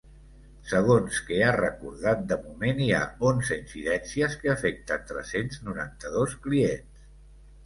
Segons que ha recordat, de moment hi ha onze incidències que afecten tres-cents noranta-dos clients.